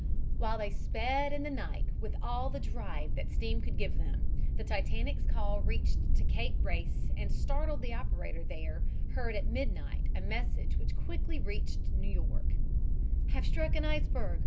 While they sped in the night with all the drive that steam could give them, the Titanic's call reached to Cape Race and the startled operator there heard at midnight a message which quickly reached New York: "Have struck an iceberg.